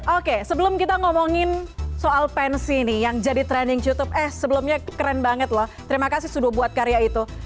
oke sebelum kita ngomongin soal pensi nih yang jadi trending youtube eh sebelumnya keren banget loh terima kasih sudah buat karya itu